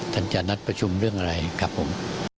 ท่านจะนัดประชุมเรื่องอะไรครับผม